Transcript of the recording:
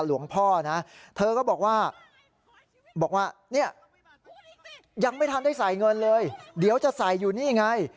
ว่าบอกว่าเนี่ยยังไม่ทำได้ใส่เงินเลยเดี๋ยวจะใส่อยู่นี่ไง